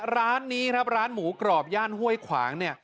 ร้านนี้ร้านหมูกรอบย่านห้วยขวาง